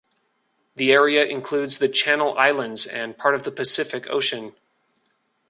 The area includes the Channel Islands and part of the Pacific Ocean.